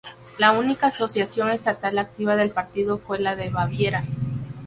La única asociación estatal activa del partido fue la de Baviera.